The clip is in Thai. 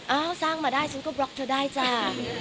สร้างมาได้ฉันก็บล็อกเธอได้จ้า